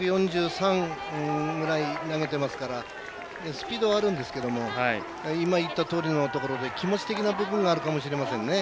１４３ぐらい投げていますからスピードはあるんですけども今、言ったとおりのところで気持ち的な部分があるかもしれませんね。